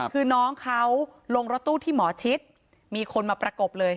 คือน้องเขาลงรถตู้ที่หมอชิดมีคนมาประกบเลย